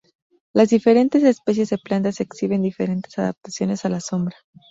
Las diferentes especies de plantas exhiben diferentes adaptaciones a la sombra.